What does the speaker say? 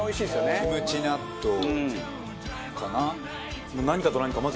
キムチ納豆かな。